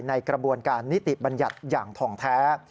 ในกระบวนการนิติบัญญัติอย่างทองแท้